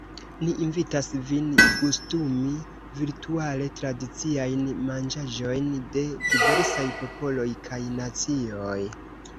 Ni invitas vin “gustumi” virtuale tradiciajn manĝaĵojn de diversaj popoloj kaj nacioj.